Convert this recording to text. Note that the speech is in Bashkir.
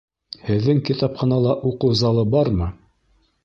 Һеҙҙең китапханала уҡыу залы бармы?